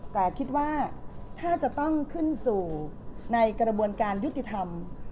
แต่คิดว่าถ้าจะต้องขึ้นสู่ในกระบวนการยุติธรรม